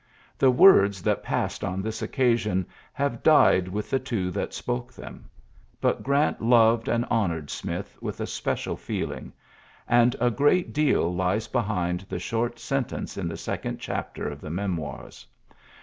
The words that passed on this 3sion have died with the two that ke them; but Grant loved and oured Smith with a special feeling, . a great deal lies behind the short jcnce in the second chapter of the noirs.